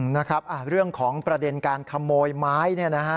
นะครับเรื่องของประเด็นการขโมยไม้